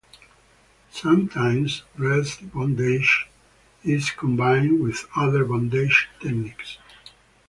Sometimes, breast bondage is combined with other bondage techniques.